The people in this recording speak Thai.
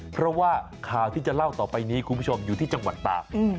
เพราะว่าข่าวที่จะเล่าต่อไปนี้คุณผู้ชมอยู่ที่จังหวัดตาก